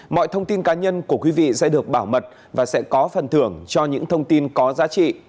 mọi thông tin cá nhân của quý vị sẽ được bảo mật và sẽ có phần thưởng cho những thông tin có giá trị